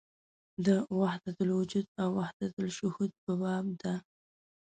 د وحدت الوجود او وحدت الشهود په باب ده.